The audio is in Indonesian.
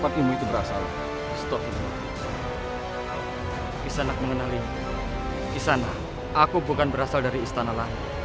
kisana aku bukan berasal dari istana lain